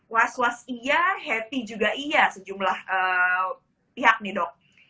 was was iya happy juga iya sejumlah pihak nih dok